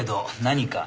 何か？